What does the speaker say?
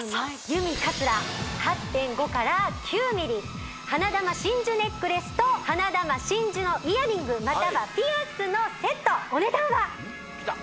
ユミカツラ８．５−９ｍｍ花珠真珠ネックレスと花珠真珠のイヤリングまたはピアスのセットお値段はきた！